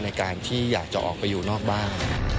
ในการที่อยากจะออกไปอยู่นอกบ้าน